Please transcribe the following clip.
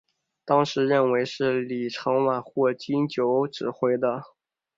当时认为是李承晚或金九指挥的。